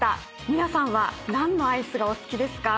皆さんは何のアイスがお好きですか？